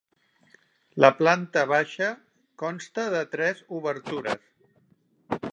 La planta baixa consta de tres obertures.